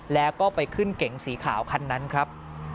แล้วก็ไปขึ้นเก๋งสีขาวคันนั้นครับ